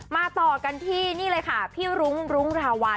ต่อกันที่นี่เลยค่ะพี่รุ้งรุ้งราวัล